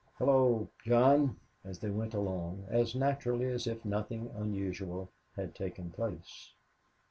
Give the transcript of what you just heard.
"Hello, John!" as they went along, as naturally as if nothing unusual had taken place.